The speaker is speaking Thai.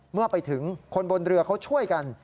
เมื่อไปถึงคนบนเรือเขาช่วยกัน